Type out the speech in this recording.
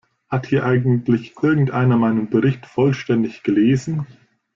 Hat hier eigentlich irgendeiner meinen Bericht vollständig gelesen?